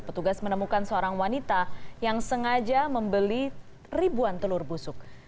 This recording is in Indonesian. petugas menemukan seorang wanita yang sengaja membeli ribuan telur busuk